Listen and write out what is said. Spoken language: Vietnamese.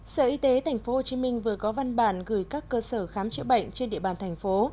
sở y tế tp hcm vừa có văn bản gửi các cơ sở khám chữa bệnh trên địa bàn thành phố